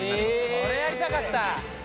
それやりたかった。